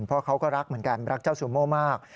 เพราะเขาก็รักเหมือนกันรักเจ้าซูโม่มาก